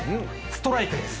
ストライクです。